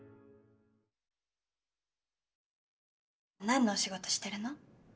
何のお仕事してるの？